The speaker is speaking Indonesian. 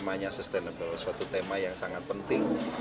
namanya sustainable suatu tema yang sangat penting